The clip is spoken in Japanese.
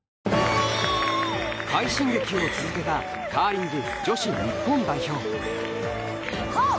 快進撃を続けたカーリング女子日本代表。